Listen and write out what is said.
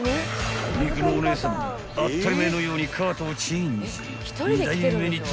［肉のお姉さん当ったり前のようにカートをチェンジ］